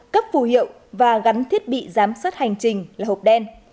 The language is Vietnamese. cấp phù hiệu cho phương tiện kinh doanh vận tải hàng hóa